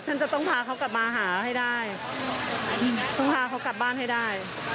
ฉันจะต้องพาเขากลับมาหาให้ได้ต้องพาเขากลับบ้านให้ได้